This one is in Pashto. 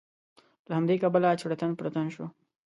له همدې کبله چړتن پړتن شو.